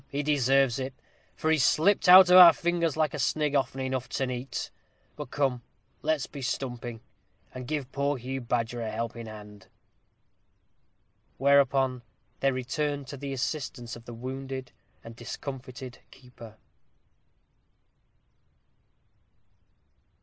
he deserves it, for he's slipped out of our fingers like a snig often enough to night. But come, let's be stumping, and give poor Hugh Badger a helping hand." Whereupon they returned to the assistance of the wounded and discomfited keeper.